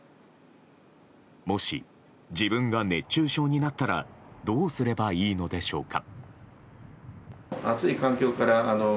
もし自分が熱中症になったらどうすればいいのでしょうか。